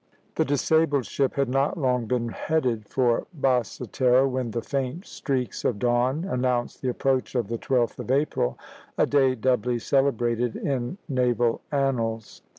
The disabled ship had not long been headed for Basse Terre, when the faint streaks of dawn announced the approach of the 12th of April, a day doubly celebrated in naval annals.